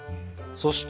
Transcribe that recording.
そして！